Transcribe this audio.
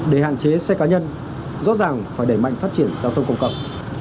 để hạn chế xe cá nhân rõ ràng phải đẩy mạnh phát triển giao thông công cộng